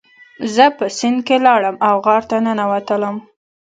زه په سیند کې لاړم او غار ته ننوتلم.